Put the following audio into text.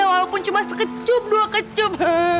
walaupun cuma sekecub dua kecub